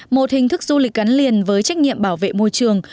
một hình thức du lịch gắn liền với trách nhiệm bảo vệ môi trường